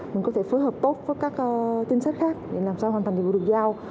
nó có thể phối hợp tốt với các trinh sát khác để làm sao hoàn thành nhiệm vụ được giao